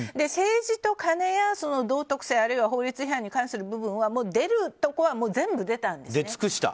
政治とカネや道徳性、あるいは法律違反に関する部分はもう出るものは全部出たんですね。